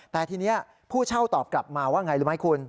แต่ทีนี้ผู้เช่าตอบกลับมาว่าไงรู้ไหมคุณ